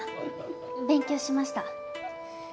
勉強しました。